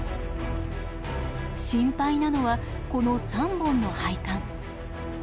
心配なのはこの３本の配管。